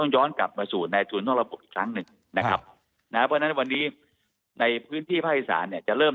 ย้อนกลับมาสู่ในทุนนอกระบบอีกครั้งหนึ่งนะครับนะเพราะฉะนั้นวันนี้ในพื้นที่ภาคอีสานเนี่ยจะเริ่ม